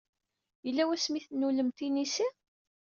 Yella wasmi ay tennulemt inisi?